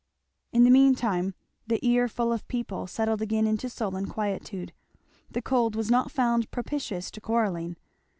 In the mean time the earful of people settled again into sullen quietude. The cold was not found propitious to quarrelling.